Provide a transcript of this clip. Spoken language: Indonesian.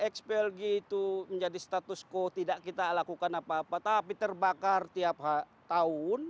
xplg itu menjadi status quo tidak kita lakukan apa apa tapi terbakar tiap tahun